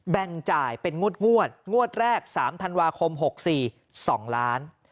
แบ่งจ่ายเป็นงวดงวดแรก๓ธันวาคม๖๔๒ล้าน